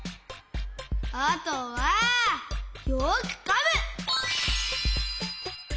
あとはよくかむ！